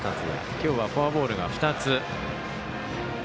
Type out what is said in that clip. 今日はフォアボールが２つ。